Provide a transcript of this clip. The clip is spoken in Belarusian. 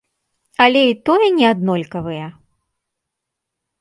Але і тое не аднолькавыя!